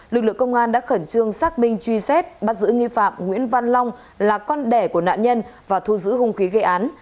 lực lượng công an đã khẩn trương xác minh truy xét bắt giữ nghi phạm nguyễn văn long là con đẻ của nạn nhân và thu giữ hung khí gây án